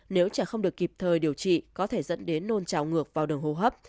nếu trẻ không được kịp thời điều trị có thể dẫn đến nôn trào ngược vào đường hô hấp